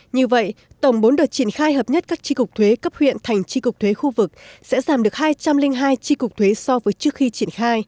như vậy tổng bốn đợt triển khai hợp nhất các tri cục thuế cấp huyện thành tri cục thuế khu vực sẽ giảm được hai trăm linh hai tri cục thuế so với trước khi triển khai